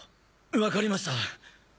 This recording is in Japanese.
わかりました。